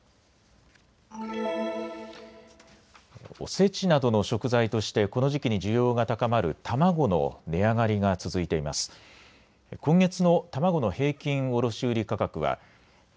おせちなどの食材としてこの時期に需要が高まる卵の値上がりが続いています。